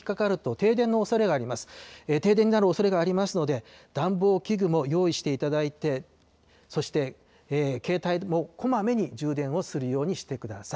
停電になるおそれがありますので、暖房器具も用意していただいて、そして、携帯もこまめに充電をするようにしてください。